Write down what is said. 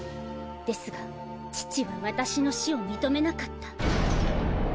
ですが父は私の死を認めなかった。